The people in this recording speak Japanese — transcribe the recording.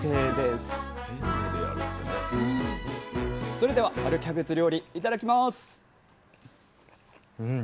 それでは春キャベツ料理いただきます！